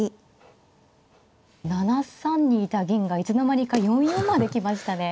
７三にいた銀がいつの間にか４四まで来ましたね。